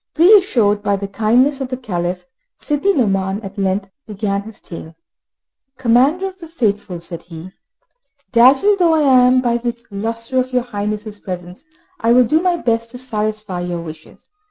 Reassured by the kindness of the Caliph, Sidi Nouman at length began his tale. "Commander of the Faithful," said he, "dazzled though I am by the lustre of your Highness' presence, I will do my best to satisfy your wishes.